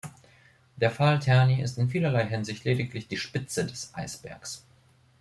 Der Fall Terni ist in vielerlei Hinsicht lediglich die Spitze des Eisbergs.